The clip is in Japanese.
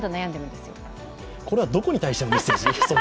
これはどこに対してのメッセージ？